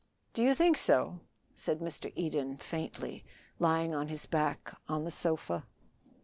"Do you think so?" said Mr. Eden faintly, lying on his back on the sofa.